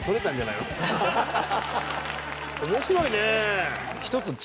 面白いね。